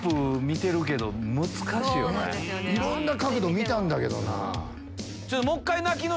いろんな角度見たんだけどな。